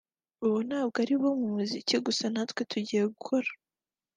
ubu ntabwo ari abo mu muziki gusa natwe tugiye gukora